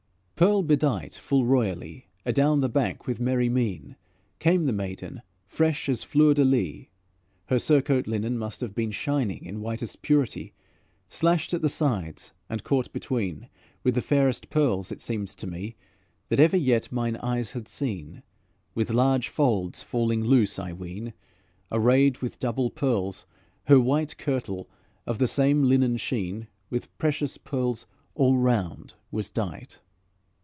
Pearl bedight full royally, Adown the bank with merry mien, Came the maiden, fresh as fleur de lys. Her surcoat linen must have been Shining in whitest purity, Slashed at the sides and caught between With the fairest pearls, it seemed to me, That ever yet mine eyes had seen; With large folds falling loose, I ween, Arrayed with double pearls, her white Kirtle, of the same linen sheen, With precious pearls all round was dight.